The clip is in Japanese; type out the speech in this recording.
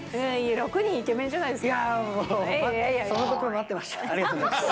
６人イケメンじゃないですか。